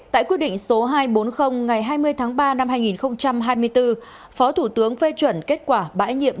tại quyết định số hai trăm bốn mươi ngày hai mươi tháng ba năm hai nghìn hai mươi bốn phó thủ tướng phê chuẩn kết quả bãi nhiệm